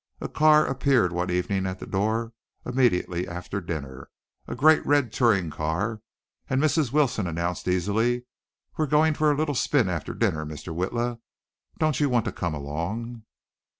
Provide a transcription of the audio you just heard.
A car appeared one evening at the door immediately after dinner, a great red touring car, and Mrs. Wilson announced easily, "We're going for a little spin after dinner, Mr. Witla. Don't you want to come along?"